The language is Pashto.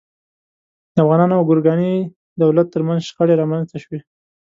د افغانانو او ګورکاني دولت تر منځ شخړې رامنځته شوې.